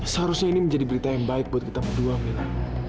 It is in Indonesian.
seharusnya ini menjadi berita yang baik buat kita berdua mila